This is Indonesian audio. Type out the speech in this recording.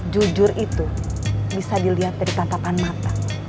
jujur itu bisa dilihat dari kata kata mata